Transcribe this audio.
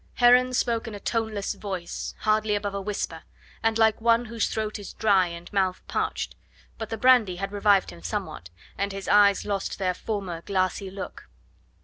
Heron spoke in a toneless voice, hardly above a whisper, and like one whose throat is dry and mouth parched. But the brandy had revived him somewhat, and his eyes lost their former glassy look.